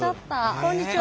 こんにちは。